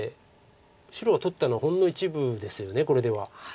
白は取ったのほんの一部ですよねこれでは。